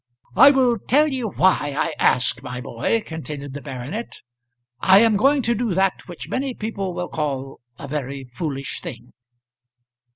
"I will tell you why I ask, my boy," continued the baronet. "I am going to do that which many people will call a very foolish thing."